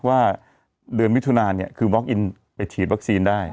ว่าเดือนมิถุนาเนี่ยคือบล็อกอินไปฉีดวัคซีนได้